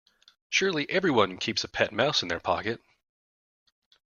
Surely everyone keeps a pet mouse in their pocket?